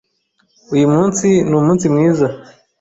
Uyu munsi ni umunsi mwiza.